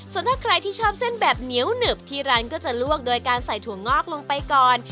ส่วนถ้าใครที่ชอบเส้นแบบเหนียวหนึบที่ร้านก็จะลวกโดยการใส่ถั่วงอกลงไปก่อน